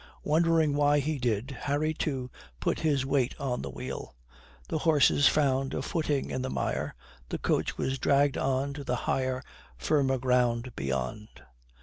Wondering why he did, Harry, too, put his weight on a wheel. The horses found a footing in the mire, the coach was dragged on to the higher, firmer ground beyond.